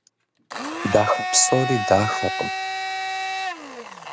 Дахэ псори дахэкъым.